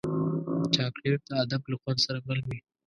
چاکلېټ د ادب له خوند سره مل وي.